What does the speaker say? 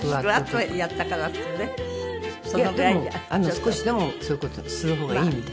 いやでも少しでもそういう事をする方がいいみたいですね。